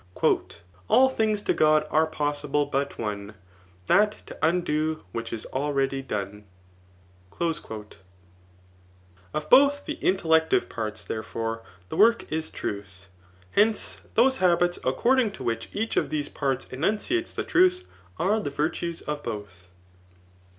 All things to God are possible but onfi That to undo which is already done* Of both the intellective parts, therefore, the work is truth. Hence, those habits according to which each of these parts enunciates the truth are the virtues of both.